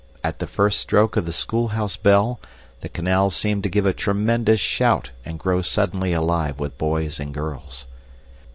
At the first stroke of the schoolhouse bell, the canal seemed to give a tremendous shout and grow suddenly alive with boys and girls.